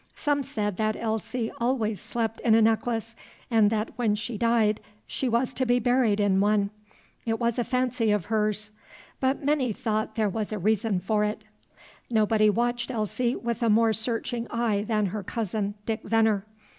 Some said that Elsie always slept in a necklace, and that when she died she was to be buried in one. It was a fancy of hers, but many thought there was a reason for it. Nobody watched Elsie with a more searching eye than her cousin, Dick Venner.